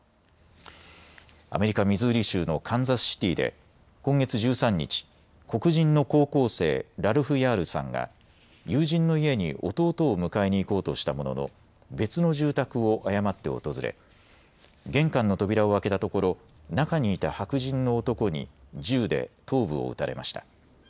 アメリカ・ミズーリ州のカンザスシティーで今月１３日、黒人の高校生、ラルフ・ヤールさんが友人の家に弟を迎えに行こうとしたものの別の住宅を誤って訪れ、玄関の扉を開けたところ、中にいた白人の男に銃で頭部を撃たれました。